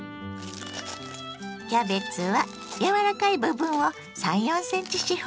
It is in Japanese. キャベツは柔らかい部分を３４ｃｍ四方にちぎります。